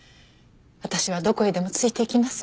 私はどこへでもついていきます。